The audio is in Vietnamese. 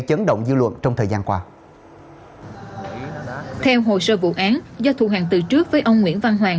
chấn động dư luận trong thời gian qua theo hồ sơ vụ án do thủ hàng từ trước với ông nguyễn văn hoàng